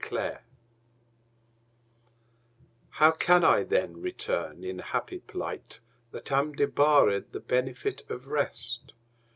XXVIII How can I then return in happy plight, That am debarre'd the benefit of rest?